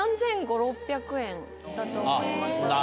３５００３６００円だと思います。